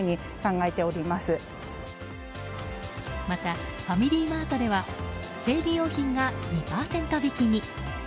また、ファミリーマートでは生理用品が２％引きに。